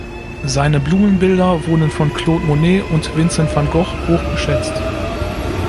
Seine Blumenbilder wurden von Claude Monet und Vincent van Gogh hoch geschätzt.